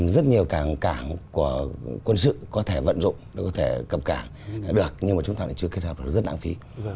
rất nhiều càng của quân sự có thể vận dụng nó có thể cập cảng được nhưng mà chúng ta lại chưa kết hợp rất lãng phí